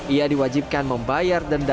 ia diwajibkan membayar dendam